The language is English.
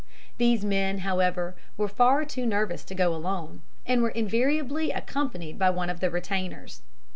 These men, however, were far too nervous to go alone, and were invariably accompanied by one of the retainers.